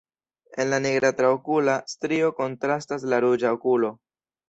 En la nigra traokula strio kontrastas la ruĝa okulo.